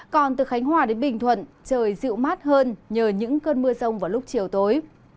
còn từ khánh hòa đến bình thuận trời dịu mát hơn nhờ những cơn mưa rông vào lúc chiều tối